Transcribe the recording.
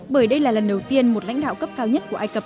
bởi đây là lần đầu tiên một lãnh đạo cấp cao nhất của ai cập